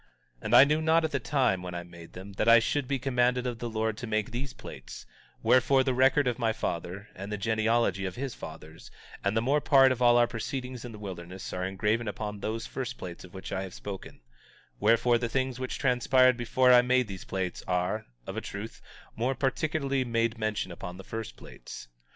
19:2 And I knew not at the time when I made them that I should be commanded of the Lord to make these plates; wherefore, the record of my father, and the genealogy of his fathers, and the more part of all our proceedings in the wilderness are engraven upon those first plates of which I have spoken; wherefore, the things which transpired before I made these plates are, of a truth, more particularly made mention upon the first plates.